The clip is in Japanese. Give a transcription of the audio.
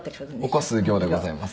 「“起こす業”でございますはい」